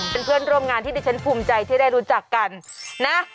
เป็นเพื่อนร่วมงานที่ดิฉันภูมิใจที่ได้รู้จักกันนะ